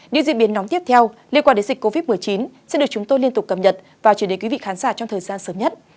những diễn biến nóng tiếp theo liên quan đến dịch covid một mươi chín sẽ được chúng tôi liên tục cập nhật và chuyển đến quý vị khán giả trong thời gian sớm nhất